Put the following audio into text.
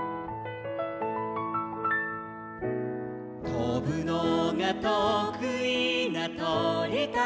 「とぶのがとくいなとりたちも」